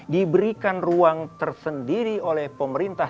diberikan ruang tersendiri oleh pemerintah